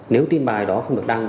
nếu tin bài đó không được đăng